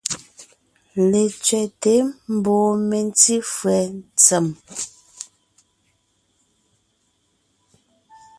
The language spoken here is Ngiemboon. Letsẅɛ́te mbɔɔ mentí fÿɛ́ ntsèm.